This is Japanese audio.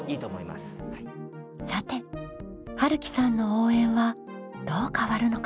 さてはるきさんの応援はどう変わるのか？